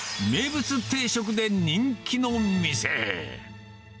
名物定食で人気の店。